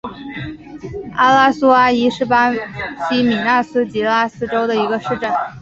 阿拉苏阿伊是巴西米纳斯吉拉斯州的一个市镇。